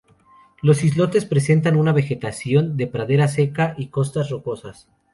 Los islotes presentan una vegetación de pradera seca y costas rocosas.